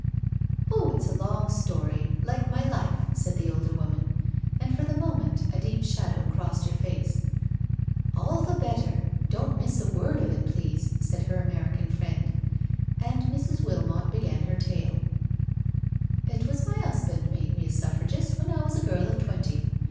" Oh, it's a long story— like my life," said the older woman, and for the moment a deep shadow crossed her face. CANTERBURY TALES 119 " All the better— don't miss a word of it, please/' said her American friend. And Mrs. Wilmot began her tale: "It was my husband made me a Suffragist when t was a girl of twenty.